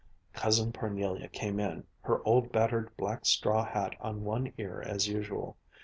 Cousin Parnelia came in, her old battered black straw hat on one ear as usual.